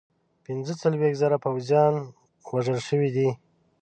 پنځه څلوېښت زره پوځیان وژل شوي دي.